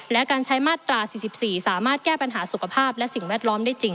และการใช้มาตรา๔๔สามารถแก้ปัญหาสุขภาพและสิ่งแวดล้อมได้จริง